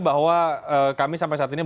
bahwa kami sampai saat ini